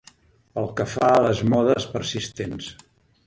Pel que fa a les modes persistents